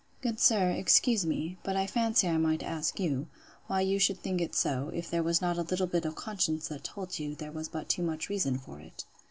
—Good sir, excuse me; but I fancy I might ask you, Why you should think so, if there was not a little bit of conscience that told you, there was but too much reason for it?